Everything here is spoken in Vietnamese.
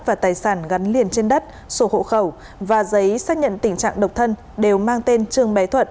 và tài sản gắn liền trên đất sổ hộ khẩu và giấy xác nhận tình trạng độc thân đều mang tên trương bé thuận